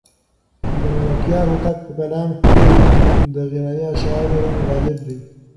د ملکیار هوتک په کلام کې د غنایي اشعارو رنګ غالب دی.